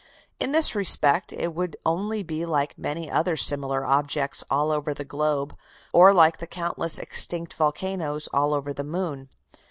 In this respect it would only be like many other similar objects all over the globe, or like the countless extinct volcanoes all over the moon.